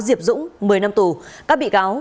diệp dũng một mươi năm tù các bị cáo